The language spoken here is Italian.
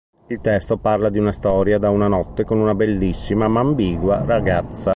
Il testo parla di storia da una notte con una bellissima, ma ambigua, ragazza.